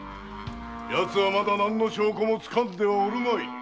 やつはまだ何の証拠も掴んではおるまい。